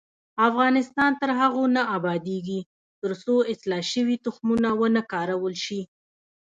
افغانستان تر هغو نه ابادیږي، ترڅو اصلاح شوي تخمونه ونه کارول شي.